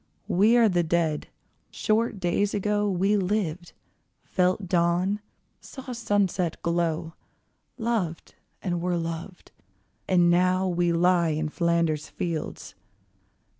We are the Dead. Short days ago We lived, felt dawn, saw sunset glow, Loved, and were loved, and now we lie In Flanders fields.